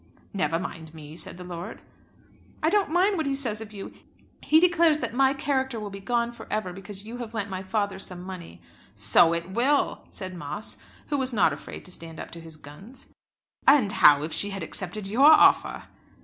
"Never mind me," said the lord. "I don't mind what he says of you. He declares that my character will be gone for ever because you have lent my father some money." "So it will," said Moss, who was not afraid to stand up to his guns. "And how if she had accepted your offer?"